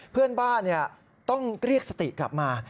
เพื่อนบ้านต้องเรียกสติกลับมา